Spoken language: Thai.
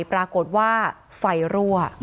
ปรากฏว่าไฟรั่ว